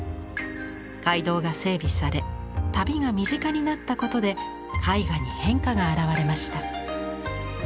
街道が整備され旅が身近になったことで絵画に変化が現れました。